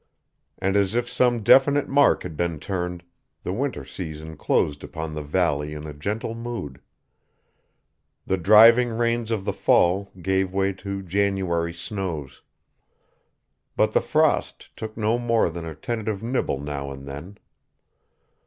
And as if some definite mark had been turned, the winter season closed upon the valley in a gentle mood. The driving rains of the fall gave way to January snows. But the frost took no more than a tentative nibble now and then.